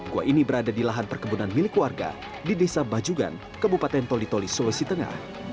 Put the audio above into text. gua ini berada di lahan perkebunan milik warga di desa bajugan kebupaten toli toli sulawesi tengah